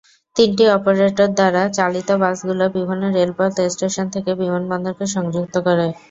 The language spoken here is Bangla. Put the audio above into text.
তিনটি অপারেটর দ্বারা চালিত বাসগুলি বিভিন্ন রেলপথ স্টেশন থেকে বিমানবন্দরকে সংযুক্ত করে।